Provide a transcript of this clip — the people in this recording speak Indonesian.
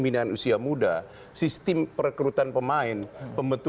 bersama ketua jadi gitu